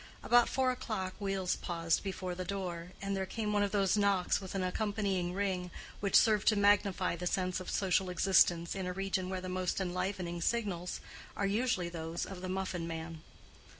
About four o'clock wheels paused before the door, and there came one of those knocks with an accompanying ring which serve to magnify the sense of social existence in a region where the most enlivening signals are usually those of the muffin man.